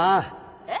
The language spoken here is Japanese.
えっ？